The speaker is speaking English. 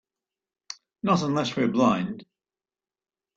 Not unless we're blind.